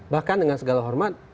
bahkan dengan segala hormat